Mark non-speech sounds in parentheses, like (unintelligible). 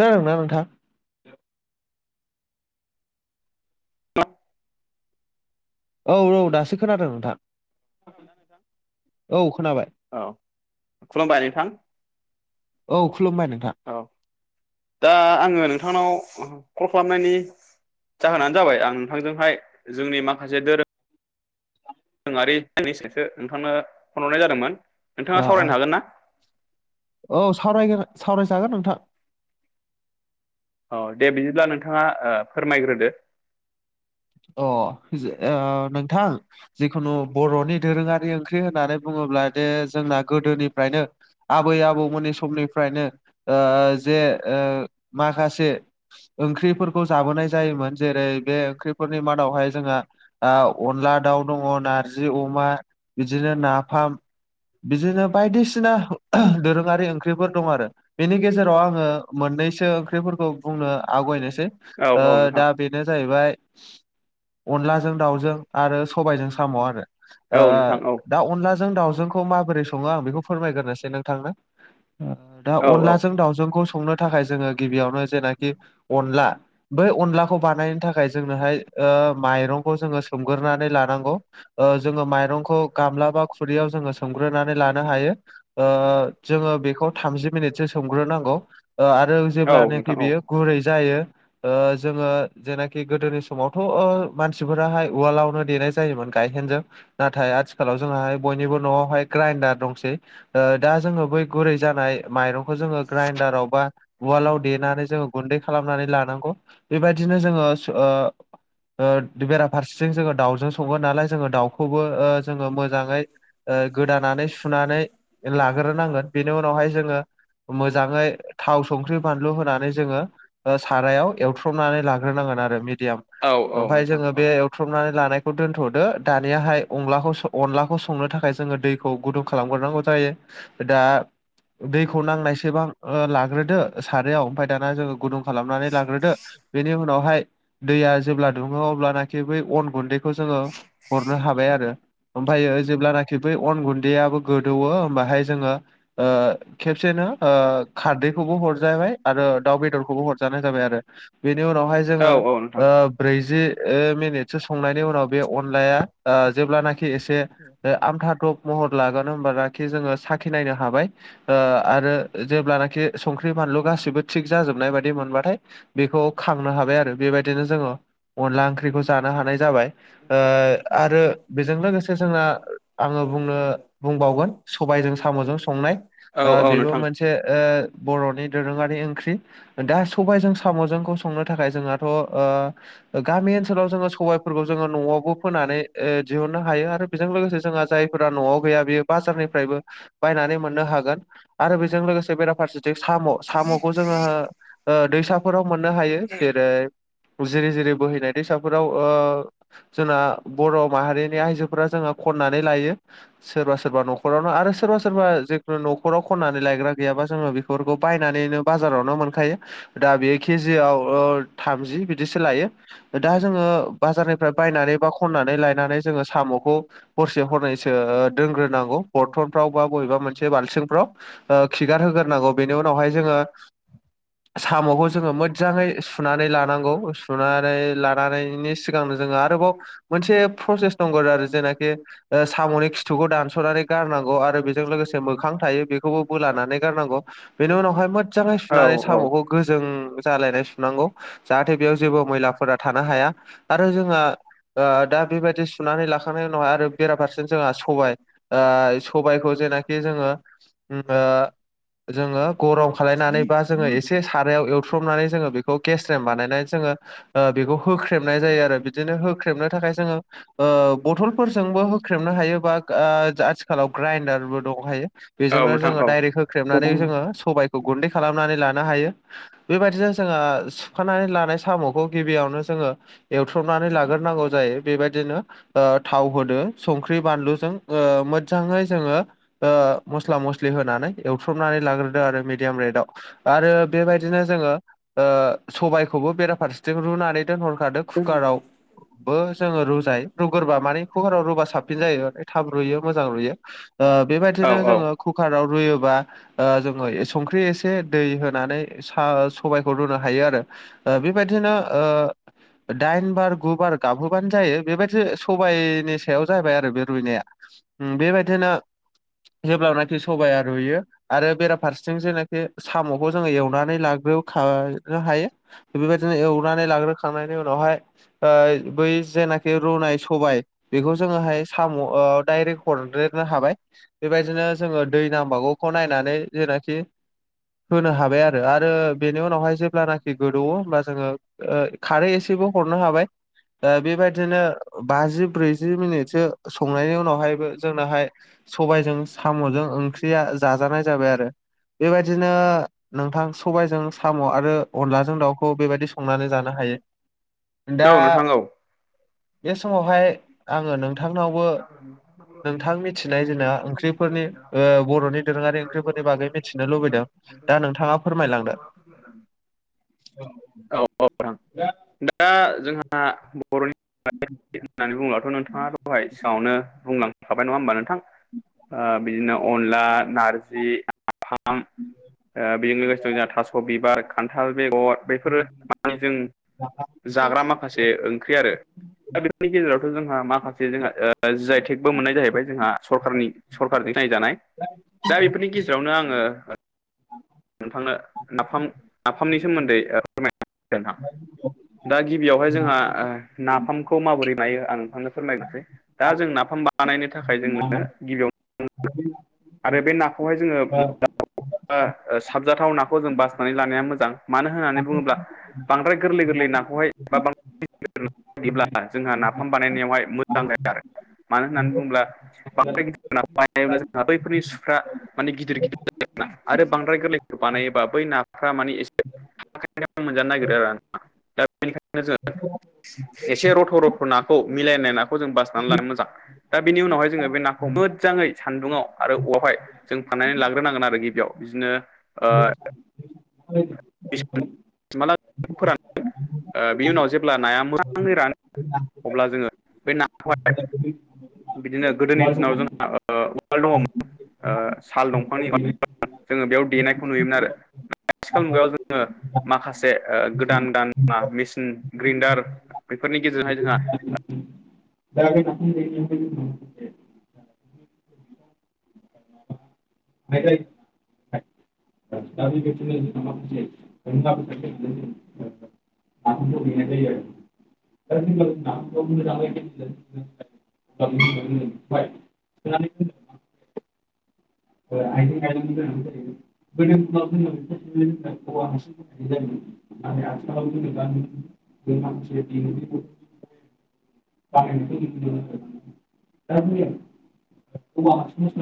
खोनादों ना नोंथां? औ औ औ दासो खोनादों नोंथां औ खोनाबाय खुलुमबाय नोंथां औ खुलुमबाय नोंथां औ दा आङो नोंथांनाव कल खालामनायनि जाहोनानो जाबाय आं नोंथांजोंहाय जोंनि माखासे दोरों ङारि (unintelligible) नोंथांनो फन हरनाय जादोंमोन नोंथाङा औ औ सावरायनो हागोन ना? औ सावरायगोन सावरायजागोन नोंथां औ दे बिदिब्ला नोंथाङा फोरमायग्रोदो। अ नोंथां जिखुनु बर'नि दोरोंङारि ओंख्रि होननानै बुंङोब्ला दे जोंना गोदोनिफ्रायनो औ आबै आबौमोननि समनिफ्रायनो ओ जे ओ माखासे ओंख्रिफोरखौ जाबोनाय जायोमोन जेरै बे ओंख्रि फोरनि मादावहाय जोंहा अनला दाउ दङ नारजि अमा बिदिनो नाफाम बिदिनो बायदिसिना दोरोङारि ओंख्रिफोर दं आरो। बेनि गेजेराव आङो मोननैसो ओं बुंनो आवगायनोसै औ नोंथां दा बेनो जाहैबाय अनलाजों दाावजों आरो सबायजों साम' आरो औ ओ नोंथां औ दा अनलाजों दाउजोंखौ माबोरै सङो आं बेखौ फोरमायग्रोनोसै नोंथांनो ओ दा औ औ अनलाजों दावजोंखौ संनो थाखाय जोङो गि गिबियावनो जेनाखि अनला बै अनलाखौ बानायनो थाखाय जोंनोहाय ओ माइरंखौ जोङो सोमगोरनै लानांगौ। ओ जोङो माइरंखौ गामला बा खुरैयाव जोङो सोमग्रोनानै लानो हायो। ओ जोङो बेखौ थामजि मिनिटसो सोमग्रोनांगौ ओ आरो जेब्लानाखि नोंथां औ बेयो गुरै जायो ओ जोङो जेना खि गोदोनि समावथ' ओ मानसिफोराहाय उवालावनो देनाय जायोमोन गायहेनजों नाथाय आथिखालाव जोंहाय बयनिबो न'आवहाय ग्राइडार दंसै। दा जोङो बै गुरै जानाय माइरंखौ जोङो ग्राइडाराव बा उवालाव देनानै जोङो गुन्दै खालामनानै लानांगौ बेबायदिनो जोङो ओ ओ बेराफारसेथिं जोङो दाउजों संगोन नालाय जोङो दाउखौ बो ओ जोङो मोजाङै ओ गोदानानै सुनानै लाग्रोनांगोन। बेनि उनावहाय जोङो मोजाङै थाव, संख्रि, बानलु होनानै जोङो ओ सारायाव एवथ्रमनानै लाग्रोनांगोन आ ओ मिडयाम औ औ ओमफ्राय नोंथां जोङो बे बुख्रुबनानै लानायखौ दोन्थ'दो दानियाहाय अनलाखौ अनलाखौ संनो थाखाय जोङो दैखौ गुदुं खालामग्रोनांगौ जायो दा दैखौ नांनायसेबां ओ लाग्रोदो सारायाव ओमफफ्राय दाना जोङो गुदुं खालामनानै लाग्रोदो बेनि उनावहाय दैया जेब्ला दुङो अब्लानाखि बै अन गुन्दै जोङो हरनो हाबाय आरो ओमफ्रायो जेब्लाना खि बै अन गुन्दैयाबो गोदौ होमबाहाय जोङो ओ खेबसेनो ओ खारदैखौबो हरजाबाय आरो दाउ बेदरखौबो हरजानाय जाबाय आरो बेनि उनावहाय औ जोङो औ नोंथां ओ ब्रैजि ओ मिनिटसो संनायनि उनाव बे अनलाया ओ जेब्लानाखि एसे ओ आमथा दब महर लागोन होनबालाखि जोङो साखि नायनो हाबाय ओ आरो जेब्लानाखि संख्रि, बानलु गासिबो थिग जाजोबनाय बायदि मोनबाथाय बेखौ खांनो हाबाय आरो बेबायदिनो जोङो अनला ओंख्रिखौ जानो हानाय जाबाय ओ आरो बेजों लोगोसे जोंना आङो बुंनो बुंबावगोन सबायजों साम'जों संनाय औ ओ औ बेबो नोंथां मोनसे ओ बर'नि दोरोङारि ओंख्रि दा सबायाइजों साम'जोंखौ संनो थाखाय जोंहा थ' ओ गामि ओनसोलाव जोङो सबाइफोरखौ जोङो न'आवबो फोनानै ओ दिहुननो हायो आरो बेजों लोगोसे जोंहा जायफोरा न'आव गैया बेयो बाजारनिफ्रायबो बायनानै मोननो हागोन आरो बेजों लोगोसे बेराफारसेथिं साम' साम'खौ जोङो ओ दैसाफोराव मोननो हायो। जेरै जिरि जिरि बोहैनाय दैसाफोराव ओ जोंना बर' माहारिनि आइजोफोरा जोंहा खननानै लायो सोरबा सोरबा न'ख रावनो आरो सोरबा सोरबा जेखुनु न'खराव खननानै लायग्रा गैयाबा जोङो बेफोरखौ बायनानैनो बाजारावनो मोनखायो दा बेयो केजियाव ओ थामजि बिदिसो लायो। दा जोङो बाजारनिफ्राय बायनानै बा खननानै लायनानै जोङो साम'खौ हरसे हरनैसो दोनग्रोनांगौ बरथनफ्राव बा बबेबा मोनसे बालथिंफ्राव ओ खिगार होग्रोनांगौ बेनि उनावहाय जोङो साम'खौ जोङो मोजाङै सु सुनानै लानांगौ सुनानै लानानैनि सिगांनो जोङो आरोबाव मोनसे प्रसेस दंगौ आरो जेनाखि ओ साम'नि खिथुखौ दानस'नानै गारनांगौ आरो बेजों लोगोसे मोखां थायो बेखौबो बोलानानै गारनांगौ बेनि उनावहाय मोजाङै औ सुनानै साम'खौ गोजों जालायनाय सुनांगौ जाहाथे बेयाव जेबो मैलाफोरा थानो हाया आरो जोंहा ओ दा बेबायदि सुनानै लाखांनायनि उनावहाय आरो बेराफारसे जोंहा सबाय ओ सबायाइखौ जेना के जोङो ओ जोङो गरम खालायनानै बा जोङो एसे सारायाव एवथ्रमनानै जोङो बेखौ गेस्रेम बानायनानै जोङो ओ बेखौ होख्रेमनाय जायो आरो बिदिनो होख्रेबनो थाखाय जोङो ओ बथलफोरजोंबो होख्रेबनो हायो बा आ आथिखालाव ग्राइडारबो दंखायो। औ बेजोंनो नोंथां जोङो औ दा होख्रेनानै जो सबायखौ गुै खालामनानै लानो हायो बेबायदि जोङो सुखानानै लानाय साम'खौ गिबियावनो जोङो एवथ्रबनानै लाग्रोनांगौ जायो बेबायदिनो ओ थाव होदो संख्रि, बानलुजों ओ मोजाङै जोङो ओ मस्ला-मस्लि होनानै एवथ्रमनानै लाग्रो आरो मिदियाम रेटआव आरो बेबायदिनो जोङो ओ सबायाइखौबो बेराफारसेथिं रुनानै दोनहरखादों कुकाराव बो जोङो रुजायो रुग्रोबा माने कुकाराव रुबा साबसिन जायो थाब रुइयो मोजां रुयो। ओ औ बेबायदिनो जोङो कुकाराव रुयोबा जोङो संख्रि एसे दै होनानै स सबायखौ रोननो हायो आरो। बेबायदिनो ओ दाइन बार गु बार गाबहोबानो जायो बेबायदि सबायाइनि सायाव जाहैाय आरो बे रुइनाया। उम बेबायदिनो जेब्लानखि सबाया रुयो आरो बेराफारसें जेनाखि साम'खौ जोङो एवनानै लाग्रो खानो हायो बेबायदिनो एवनानै लाग्रोखांनायनि उनावहाय ओ बै जेनाखि रुनाय सबाय बेखौ जोङोहाय साम' ओ दडायरेक्ट हरद्रेरनो हाबाय। बेबायदिनो जोङो दै नांबागौखौ नायनानै जेनाखि होनो हाबाय आरो आरो बेनि उनावहाय जेब्लानाखि गोदौवो होमबा जोङो खारै एसेबो हरनो हाबाय। बेबायदिनो बाजि ब्रैजि मिनिटसो संनायनि उनावहायबो जोंनहाय सबायजों साम'जों ओंख्रिया जाजानाय जाबाय आरो। बेबायदिनो नोंथां सबायजों साम' आरो अनलाजों दाउखौ बेबायदि संनानै जानो हायो। औ दा नोंथां औ बे समावहाय आङो नोंथां नोंथांनावबो नोंथां मिथिनाय जोंना ओंख्रिफोरनि बर'नि दोरोङारि ओंख्रिफोरनि बागै मिथिनो लुबैदों दा नोंथाङा फोरमायलांदो (inaudible) औ औ नोंथां (unintelligible) दा जोंहा बर'नि होननानै बुङोबथ' नोंथाङा दं (inaudible) सिाङावनो बुंलांखाबाय नङा होमबा नोंथां बिदिनो अनला नारजि आाम (inaudible) बेजों लोगोसे दं जोंहा थास' बिबार खान्थाल बेगर बेफोर माने जों जाग्रा माखासे ओंख्रि आरो दा बेफोरनि गेजेरावथ' जोंहा माखासे े जोंहा जाय टेकबो मोननाय जाहैबाय जोंहा सरखारनि सरखारजों नायजानाय। दा बेफोरनि गेजेरावनो आङो। नोंथांनो नाफाम नाफामनि सोमोन्दै फोरमाय दा गिबियावहाय जोंहा ओ। नाफामखौ माबोरै बायो आं नोंथांनो फोरमायनोसै दा जों नाफाम बानायनो थाखाय जोंनो गिबियावनो आरो बे नाखौहाय जोङो ओ ओ साबजाथाव नाखौ जों बासनानै लानाया मोजां मानो होननानै बुङोब्ला बांद्राय गोरलै गोरलै नाखौहाय बा बदिब्ला जोंहा नाफाम बानायनायावहाय मोजां जाया आरो मानो होननानै बुङोब्ला बांद्राय गिदिर बायब्ला जोंहा बैफोरनि सुफ्रा माने गिदिर गिदिर (inaudible) (inaudible) आरो बांद्राय गोरलैखौ बानायोबा बै नाफ्रा माने एसे (inaudible) मोनजानो नागिरो आरो ना दा बेनिखायनो जों (inaudible) बि (inaudible) एसे रथ' रथ नाखौ मिलायनाय नाखौ जों बासनानै लानो मोजां (inaudible) दा बेनि उनावहाय जोङो बे नाखौ मोजाङै सानदुङाव आरो औवावहाय जों फाननानै लाग्रोनांगोन आरो। आरो गिबियाव बिदिनो ओ ाला फोरानोन बि उनाव जेब्ला नाया मोजाङै रानो (inaudible) अब्ला जोङो बे नाखौहाय (inaudible) दि (inaudible) बिदिनो गोदोनि दिनाव जोंहा उवाल दङमोन साल दंफांनि उाल जोङो बेयाव देनायखौ नुयोमोन आरो। आथिखाल मुगायाव जोङो माखासे गोदान गोदाना मेचन ग्रडार बेफोरनि गेजेरजोंहाय जोंहा (inaudible) दा न (inaudible) (unintelligible) (unintelligible) (unintelligible) (unintelligible) (unintelligible) (unintelligible) (unintelligible)